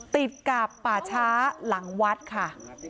ติดกับป่าช้าหลังวัดค่ะ